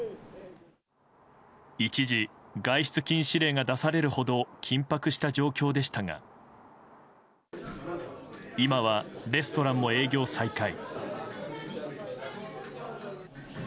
一時、外出禁止令が出されるほど緊迫した状況でしたが今はレストランも営業再開。